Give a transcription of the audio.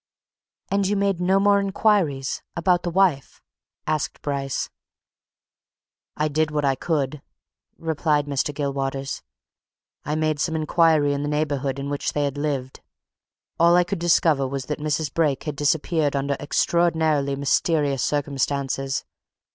"And you made no more inquiries? about the wife?" asked Bryce. "I did what I could," replied Mr. Gilwaters. "I made some inquiry in the neighbourhood in which they had lived. All I could discover was that Mrs. Brake had disappeared under extraordinarily mysterious circumstances.